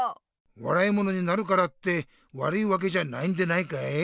わらいものになるからってわるいわけじゃないんでないかい？